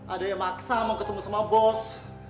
ada yang maksa mau ketemu sama bos